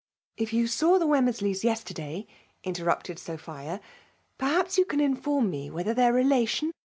" If you saw the Wemmersleys yesterday >" interrupted Sophia, ''perhaps you can inform me whether their relation, "hb.